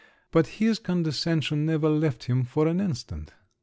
But his condescension never left him for an instant!